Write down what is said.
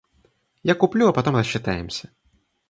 Я куплю, а потом рассчитаемся.